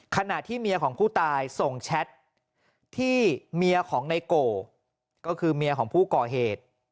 ขณะที่เมียของผู้ตายส่งแชทที่เมียของในโกก็คือเมียของผู้ก่อเหตุ